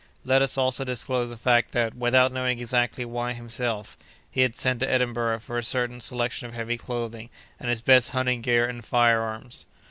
Let us also disclose the fact that, without knowing exactly why himself, he had sent to Edinburgh for a certain selection of heavy clothing, and his best hunting gear and fire arms.